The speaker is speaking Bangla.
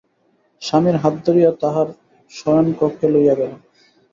স্বামীর হাত ধরিয়া তাহার শয়নকক্ষে লইয়া গেল।